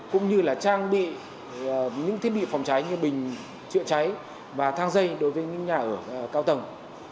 cũng như là trang bị những thiết bị phòng cháy như bình chữa cháy và thang dây đối với những nhà ở cao tầng